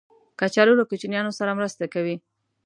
کچالو له کوچنیانو سره مرسته کوي